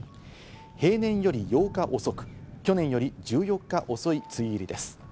平年より８日遅く、去年より１４日遅い梅雨入りです。